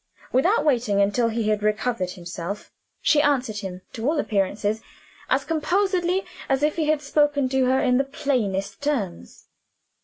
Without waiting until he had recovered himself, she answered him (to all appearances) as composedly as if he had spoken to her in the plainest terms.